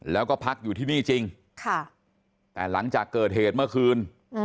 แล้วก็พักอยู่ที่นี่จริงแต่หลังจากเกิดเหตุเมื่อคืน